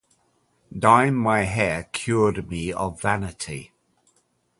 Dyeing my hair cured me of vanity.